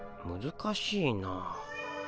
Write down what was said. むずかしいなあ。